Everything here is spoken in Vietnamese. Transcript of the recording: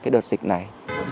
đợt dịch này